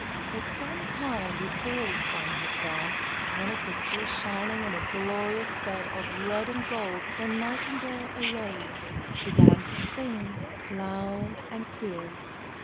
But some time before the sun had gone, when it was still shining in a glorious bed of red and gold, the Nightingale arose, began to sing loud and clear.